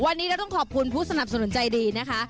วันนี้เราต้องขอบคุณผู้สนับสนุนใจดีนะคะ